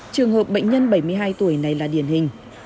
trường hợp bệnh nhân bảy mươi hai tuổi này là điển hình